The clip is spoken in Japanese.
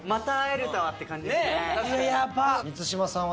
満島さんは？